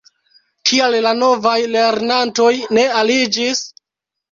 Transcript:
Kial la novaj lernantoj ne aliĝis?